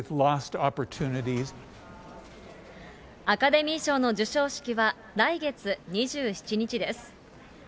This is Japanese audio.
アカデミー賞の授賞式は来月２７日です。